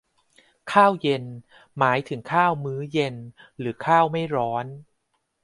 ข้าวเย็น หมายถึงข้าวมื้อเย็น หรือข้าวไม่ร้อน